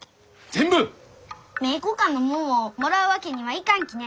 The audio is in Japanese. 名教館のもんをもらうわけにはいかんきね。